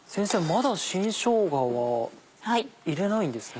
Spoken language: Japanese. まだ新しょうがは入れないんですね。